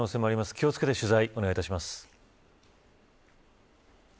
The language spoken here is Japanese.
気を付けて取材をお願いします。